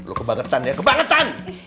lu kebangetan ya kebangetan